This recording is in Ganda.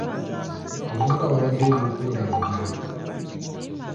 Abavubuka baabaddeyo n'okubudaabudibwa.